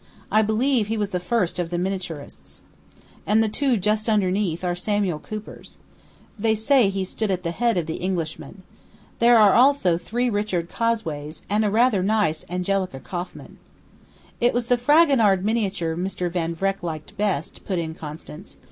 I believe he was the first of the miniaturists. And the two just underneath are Samuel Coopers. They say he stood at the head of the Englishmen. There are three Richard Cosways and rather a nice Angelica Kauffmann." "It was the Fragonard miniature Mr. Van Vreck liked best," put in Constance.